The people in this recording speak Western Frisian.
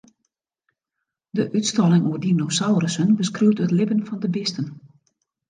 De útstalling oer dinosaurussen beskriuwt it libben fan de bisten.